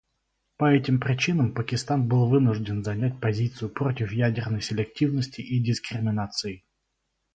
По этим причинам Пакистан был вынужден занять позицию против ядерной селективности и дискриминации.